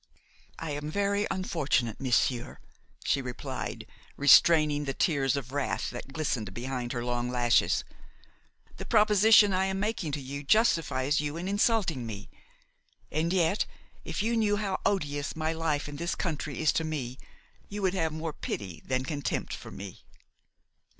"I am very unfortunate, monsieur," she replied, restraining the tears of wrath that glistened behind her long lashes; "the proposition I am making to you justifies you in insulting me; and yet, if you knew how odious my life in this country is to me, you would have more pity than contempt for me."